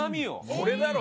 これだろ！